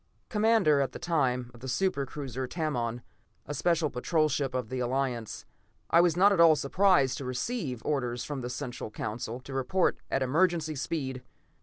Commander at that time of the super cruiser Tamon, a Special Patrol ship of the Alliance, I was not at all surprised to receive orders from the Central Council to report at emergency speed.